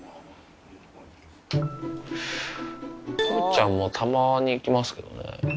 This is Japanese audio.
風ちゃんもたまに行きますけどね。